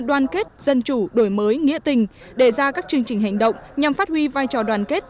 đoàn kết dân chủ đổi mới nghĩa tình đề ra các chương trình hành động nhằm phát huy vai trò đoàn kết